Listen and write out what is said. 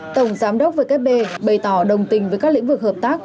tổng giám đốc vkp bày tỏ đồng tình với các lĩnh vực hợp tác